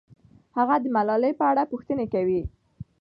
هغه د ملالۍ په اړه پوښتنې کوي.